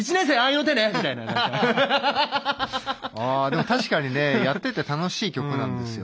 でも確かにねやってて楽しい曲なんですよ。